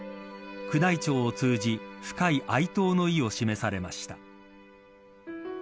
宮内庁を通じ深い哀悼の意を示されました。